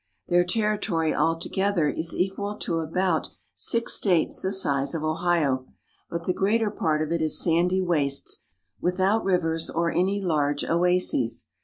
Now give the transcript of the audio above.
Their territory altogether is equal to about six States the size of Ohio, but the greater part of it is sandy wastes, without rivers or any large oases.